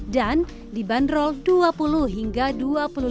dan dibanderol dua puluh tahun kemudian mencari tanaman yang lebih besar dan lebih besar